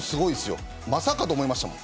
まさかと思いました。